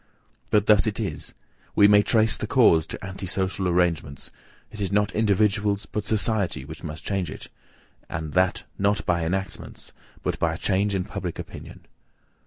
But thus it is; we may trace the cause to anti social arrangements; it is not individuals but society which must change it, and that not by enactments, but by a change in public opinion.